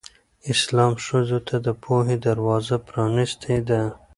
اسلام ښځو ته د پوهې دروازه پرانستې ده.